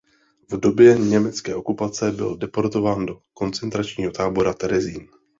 V době německé okupace byl deportován do koncentračního tábora Terezín.